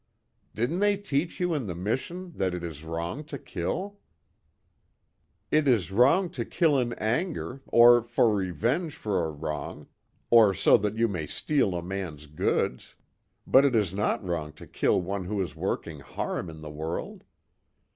"Didn't they teach you in the mission that it is wrong to kill?" "It is wrong to kill in anger, or for revenge for a wrong, or so that you may steal a man's goods. But it is not wrong to kill one who is working harm in the world.